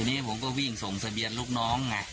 ทีนี้ผมก็วิ่งส่งทะเบียนลูกน้องไง